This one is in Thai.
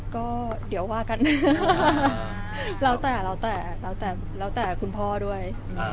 ก็เดี๋ยวว่ากันแล้วแต่แล้วแต่แล้วแต่คุณพ่อด้วย